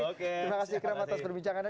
terima kasih pak atas perbincang anda